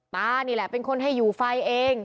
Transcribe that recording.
ตานี่แหละเป็นคนให้อยู่ไฟเอง